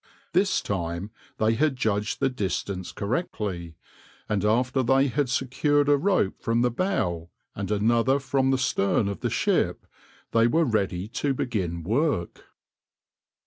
This time they had judged the distance correctly, and after they had secured a rope from the bow and another from the stern of the ship they were ready to begin work.